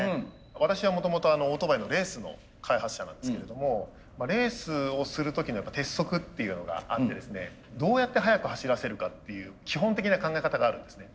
私はもともとオートバイのレースの開発者なんですけれどもレースをする時の鉄則っていうのがあってですねどうやって速く走らせるかっていう基本的な考え方があるんですね。